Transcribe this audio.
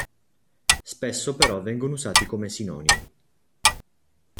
Spesso però vengono usati come sinonimi.